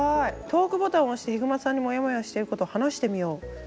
「トークボタンを押してひぐまさんにモヤモヤしてることを話してみよう」。